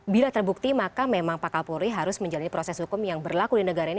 bila terbukti maka memang pak kapolri harus menjalani proses hukum yang berlaku di negara ini